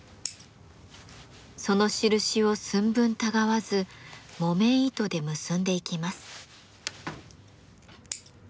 その印を寸分たがわず木綿糸で結んでいきます。